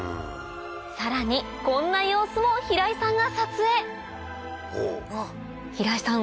さらにこんな様子も平井さんが撮影平井さん